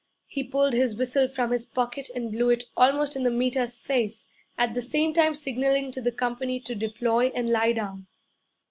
He pulled his whistle from his pocket and blew it almost in the Meter's face, at the same time signaling to the company to deploy and lie down.